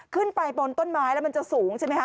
ขึ้นไปบนต้นไม้แล้วมันจะสูงใช่ไหมคะ